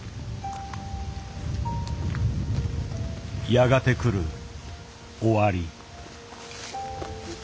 やがて来る終わり。